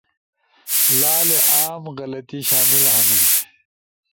لالے عام غلطی شامل ہنی: